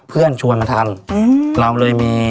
เพื่อนชวนมาทำเราเลยมี